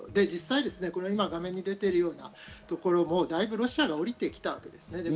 実際、今、画面に出ているようなところもだいぶロシアがおりてきたんですね。